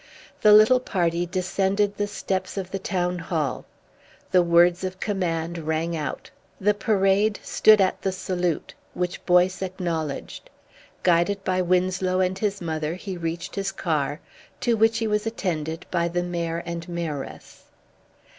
The little party descended the steps of the Town Hall. The words of command rang out. The Parade stood at the salute, which Boyce acknowledged. Guided by Winslow and his mother he reached his car, to which he was attended by the Mayor and Mayoress.